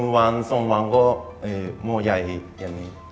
วัน๒วันก็โม่ใหญ่อย่างนี้